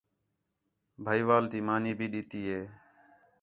بھائیوال تی مانی بھی ݙِتی ہے